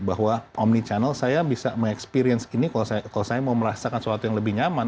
bahwa omni channel saya bisa mengexperience gini kalau saya mau merasakan sesuatu yang lebih nyaman